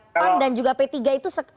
pan dan juga p tiga itu